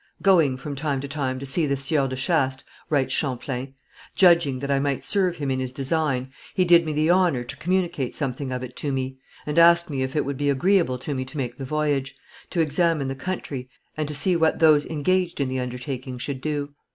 "Going from time to time to see the Sieur de Chastes," writes Champlain, "judging that I might serve him in his design, he did me the honour to communicate something of it to me, and asked me if it would be agreeable to me to make the voyage, to examine the country, and to see what those engaged in the undertaking should do.